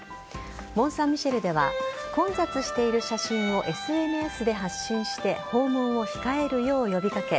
モンサンミシェルでは混雑している写真をＳＮＳで発信して訪問を控えるよう呼び掛け